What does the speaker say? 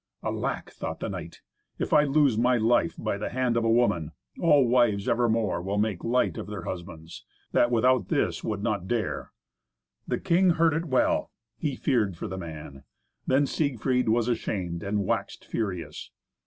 "Alack!" thought the knight, "if I lose my life by the hand of a woman, all wives evermore will make light of their husbands, that, without this, would not dare." The king heard it well. He feared for the man. Then Siegfried was ashamed and waxed furious.